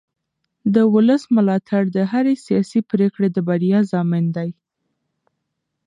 د ولس ملاتړ د هرې سیاسي پرېکړې د بریا ضامن دی